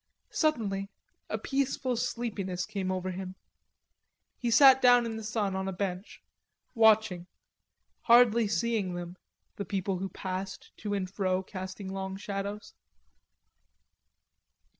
Suddenly a peaceful sleepiness came over him. He sat down in the sun on a bench, watching, hardly seeing them, the people who passed to and fro casting long shadows.